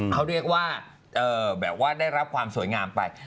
เขาเรียกว่าแบบว่าได้รับความสวยงามไป